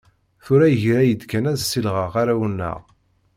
Tura yegra-yi-d kan ad ssilɣeɣ arraw-nneɣ.